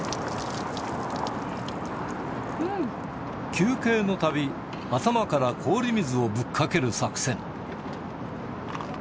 休憩のたび、頭から氷水をぶっかける作戦。